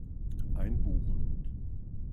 Ein Buch.